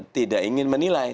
tidak ingin menilai